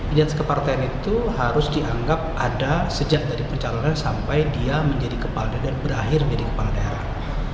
identitas kepartean itu harus dianggap ada sejak dari percalonan sampai dia menjadi kepala dan berakhir menjadi kepala daerah